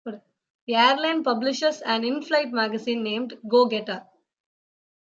The airline publishes an in-flight magazine named "Go-getter".